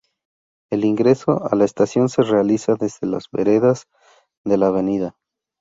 El ingreso a la estación se realiza desde las veredas de la Av.